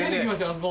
あそこ。